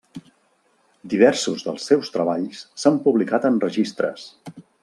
Diversos dels seus treballs s'han publicat en registres.